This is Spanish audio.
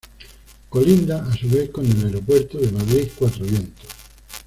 Colinda, a su vez, con el aeropuerto de Madrid-Cuatro Vientos.